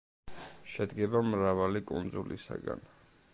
შედგება მრავალი კუნძულისაგან.